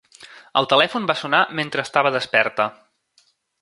El telèfon va sonar mentre estava desperta.